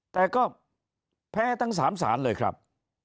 แต่ก็แพ้ทั้ง๓สารเลยครับ